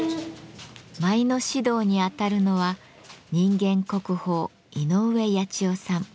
舞の指導に当たるのは人間国宝井上八千代さん。